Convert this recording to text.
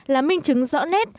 là minh chứng rõ nét